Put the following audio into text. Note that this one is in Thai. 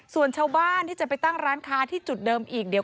ส่วนชาวบ้านที่จะไปตั้งร้านค้าที่จุดเดิมอีกเดี๋ยว